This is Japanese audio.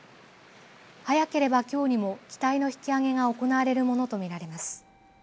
早ければきょうにも機体の引きあげが行われるものと見られます。